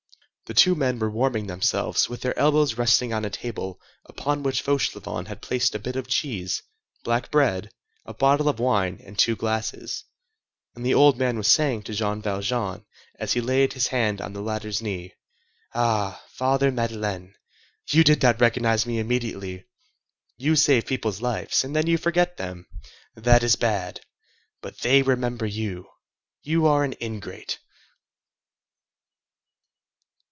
The two men were warming themselves with their elbows resting on a table upon which Fauchelevent had placed a bit of cheese, black bread, a bottle of wine, and two glasses, and the old man was saying to Jean Valjean, as he laid his hand on the latter's knee: "Ah! Father Madeleine! You did not recognize me immediately; you save people's lives, and then you forget them! That is bad! But they remember you! You are an ingrate!"